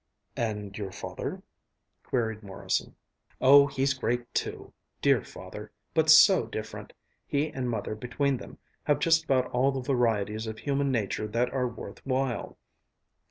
"And your father?" queried Morrison. "Oh, he's great too dear Father but so different! He and Mother between them have just about all the varieties of human nature that are worth while!